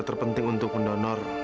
haris gak mampu bu